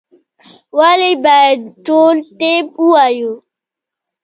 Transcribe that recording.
ولي باید ټول طب ووایو؟